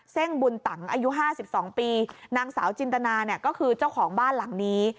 ่งบุญตังอายุ๕๒ปีนางสาวจินตนาเนี่ยก็คือเจ้าของบ้านหลังนี้